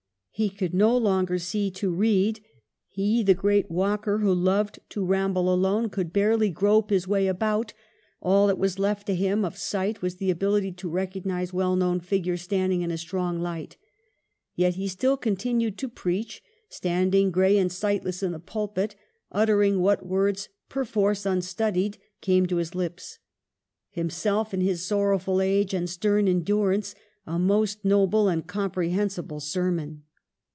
He could no longer see to read ; he, the great walker who loved to TROUBLES. 199 ramble alone, could barely grope his way about ; all that was left to him of sight was the ability to recognize well known figures standing in a strong light. Yet he still continued to preach ; standing gray and sightless in the pulpit, utter ing what words (perforce unstudied) came to his lips. Himself in his sorrowful age and stern endurance a most noble and comprehensible sermon.